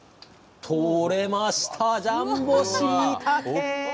採れましたジャンボしいたけ！